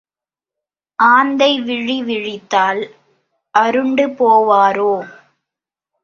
ஆந்தை விழி விழித்தால் அருண்டு போவாரோ?